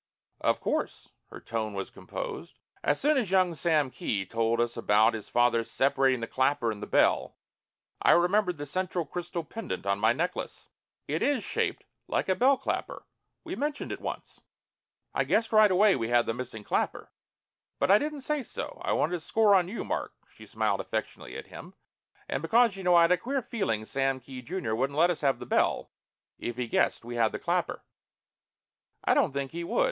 "Of course." Her tone was composed. "As soon as young Sam Kee told us about his father's separating the clapper and the bell, I remembered the central crystal pendant on my necklace. It is shaped like a bell clapper we mentioned it once. "I guessed right away we had the missing clapper. But I didn't say so. I wanted to score on you, Mark " she smiled affectionately at him "and because, you know, I had a queer feeling Sam Kee, junior, wouldn't let us have the bell if he guessed we had the clapper." "I don't think he would."